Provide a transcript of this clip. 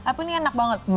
tapi ini enak banget